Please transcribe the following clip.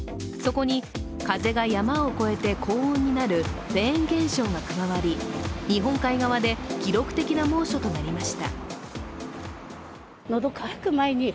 そこに風が山を越えて高温になるフェーン現象が加わり、日本海側で記録的な猛暑となりました。